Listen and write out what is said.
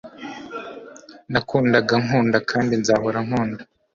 nakundagankunda kandi nzahora nkunda